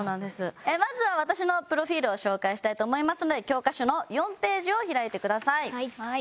まずは私のプロフィールを紹介したいと思いますので教科書の４ページを開いてください。